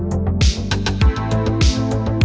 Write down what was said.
kita mau ke palmatah